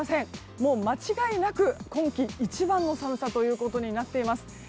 もう間違いなく今季一番の寒さとなっています。